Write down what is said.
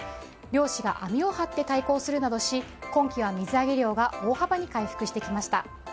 両氏が網を張って対抗するなどし今期は水揚げ量が大幅に回復してきました。